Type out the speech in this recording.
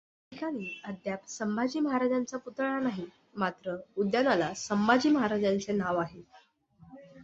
त्याठिकाणी अद्याप संभाजी महाराजांचा पुतळा नाही, मात्र उद्यानाला संभाजी महाराजांचे नाव आहे.